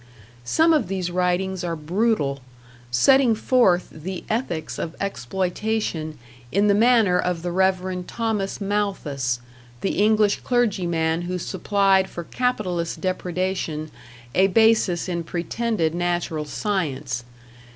Some of these writings are brutal setting forth the ethics of exploitation in the manner of the Rev. Thomas Malthus, the English clergyman who supplied for capitalist depredation a basis in pretended natural science.